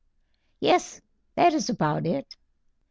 "Yes, that is about it."